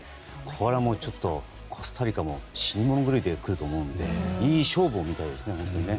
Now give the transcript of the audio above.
これはもう、コスタリカも死に物狂いで来ると思うのでいい勝負を見たいですね。